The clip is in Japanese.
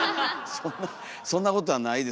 そんなそんなことはないです。